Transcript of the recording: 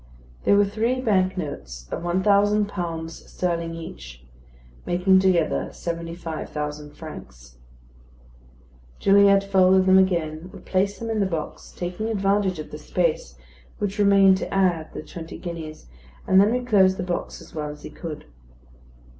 They were three bank notes of one thousand pounds sterling each; making together seventy five thousand francs. Gilliatt folded them again, replaced them in the box, taking advantage of the space which remained to add the twenty guineas; and then reclosed the box as well as he could.